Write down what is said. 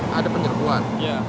iya ada penyakuan